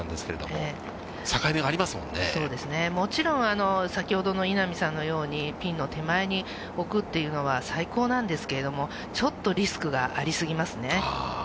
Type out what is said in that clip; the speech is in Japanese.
もちろん、先ほどの稲見さんのように、ピンの手前に置くというのは、最高なんですけれども、ちょっとリスクがありすぎますね。